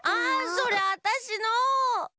それあたしの！